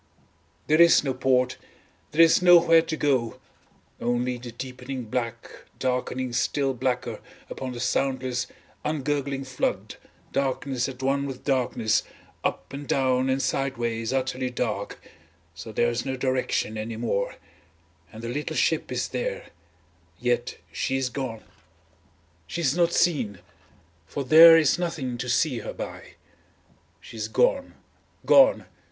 There is no port, there is nowhere to go only the deepening blackness darkening still blacker upon the soundless, ungurgling flood darkness at one with darkness, up and down and sideways utterly dark, so there is no direction any more and the little ship is there; yet she is gone. She is not seen, for there is nothing to see her by. She is gone! gone!